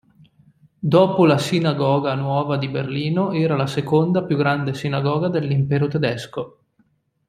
Dopo la Sinagoga nuova di Berlino era la seconda più grande sinagoga dell'Impero tedesco.